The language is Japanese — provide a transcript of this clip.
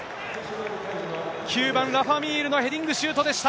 ９番ラファ・ミールのヘディングシュートでした。